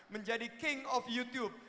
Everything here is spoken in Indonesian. menjadi king of youtube